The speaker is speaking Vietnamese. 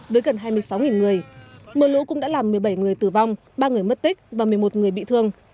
với gần hai mươi sáu người mưa lũ cũng đã làm một mươi bảy người tử vong ba người mất tích và một mươi một người bị thương